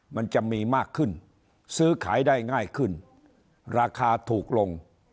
มันจะมีมากขึ้นซื้อขายได้ง่ายขึ้นราคาถูกลง